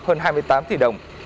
hơn hai mươi tám tỷ đồng